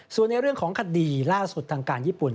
ส่วนในเรื่องของคดีล่าสุดทางการญี่ปุ่น